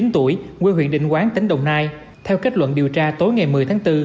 bốn mươi tuổi quê huyện định quán tỉnh đồng nai theo kết luận điều tra tối ngày một mươi tháng bốn